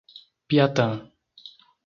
Piatã